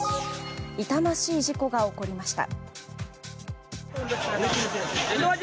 痛ましい事故が起こりました。